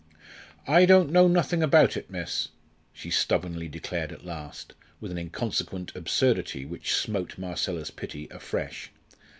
"I don't know nothing about it, miss," she stubbornly declared at last, with an inconsequent absurdity which smote Marcella's pity afresh.